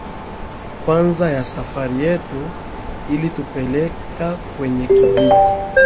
kwanza ya safari yetu ilitupeleka kwenye kijiji